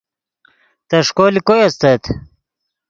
تݰکو لے کوئے استت